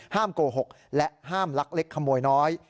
โกหกและห้ามลักเล็กขโมยน้อย